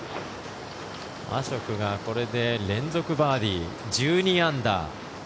アショクがこれで連続バーディー、１２アンダー。